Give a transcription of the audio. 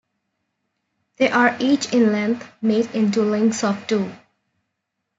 They are each in length, made into links of two.